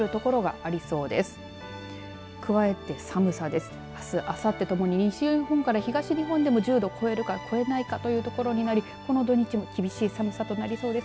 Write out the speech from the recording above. あす、あさってともに西日本から東日本でも１０度を超えるか超えないかというところになりこの土日も厳しい寒さとなりそうです。